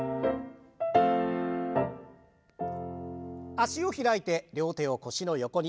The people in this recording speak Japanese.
脚を開いて両手を腰の横に。